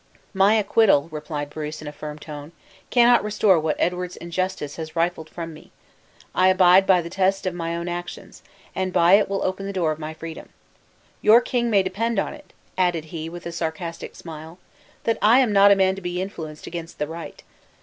"My acquittal," replied Bruce, in a firm tone, "cannot restore what Edward's injustice has rifled from me. I abide by the test of my own actions, and by it will open the door of my freedom. Your king may depend on it," added he, with a sarcastic smile, "that I am not a man to be influenced against the right.